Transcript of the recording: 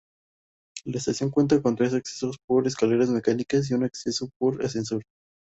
La estación cuenta con tres accesos por escaleras mecánicas y un acceso por ascensor.